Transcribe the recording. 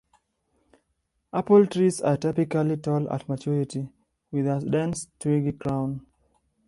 Apple trees are typically tall at maturity, with a dense, twiggy crown.